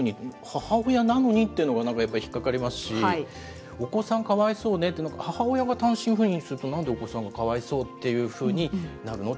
母親なのにっていうのが、なんかやっぱり引っかかりますし、お子さん、かわいそうねって、母親が単身赴任すると、なんでお子さんがかわいそうっていうふうになるの？